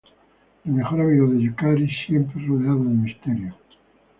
El mejor amigo de Yukari, siempre rodeado de misterio.